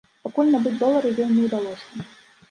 Пакуль набыць долары ёй не ўдалося.